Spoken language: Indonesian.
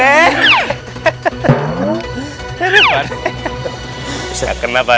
enggak kena pak d